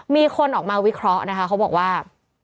มีคนออกมาวิเคราะห์นะคะเขาบอกว่า